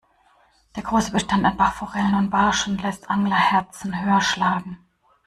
Der große Bestand an Bachforellen und Barschen lässt Anglerherzen höher schlagen.